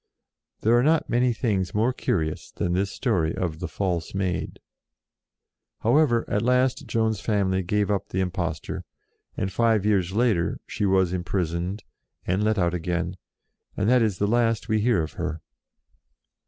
There are not many things more curious than this story of the False Maid. However, at last Joan's family gave up n8 JOAN OF ARC the impostor, and, five years later, she was imprisoned, and let out again, and that is the last we hear of her.